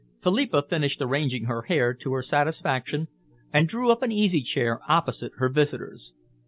Philippa finished arranging her hair to her satisfaction and drew up an easy chair opposite her visitor's.